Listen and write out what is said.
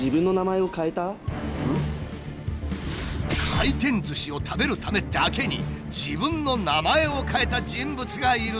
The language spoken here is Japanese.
回転ずしを食べるためだけに自分の名前を変えた人物がいるという。